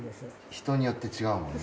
人によって違うもんな。